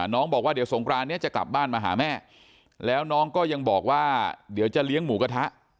น้องบอกว่าเดี๋ยวสงครานนี้จะกลับบ้านมาหาแม่แล้วน้องก็ยังบอกว่าเดี๋ยวจะเลี้ยงหมูกระทะ